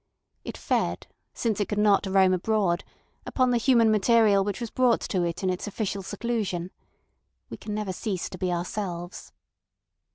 It fed, since it could not roam abroad, upon the human material which was brought to it in its official seclusion. We can never cease to be ourselves.